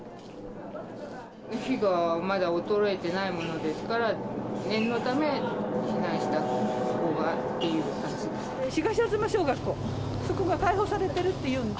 火がまだ衰えてないものですから、念のため避難したほうがっていう感じです。